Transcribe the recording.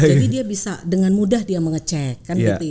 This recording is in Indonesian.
jadi dia bisa dengan mudah dia mengecek